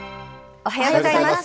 おはようございます。